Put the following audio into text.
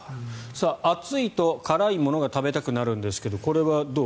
暑いと辛いものが食べたくなるんですがこれはどう？